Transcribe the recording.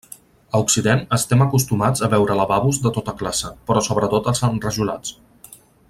A occident estem acostumats a veure lavabos de tota classe, però sobretot els enrajolats.